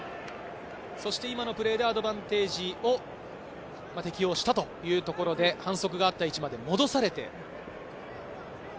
今のプレーでアドバンテージを適用したというところで反則があった位置まで戻されて。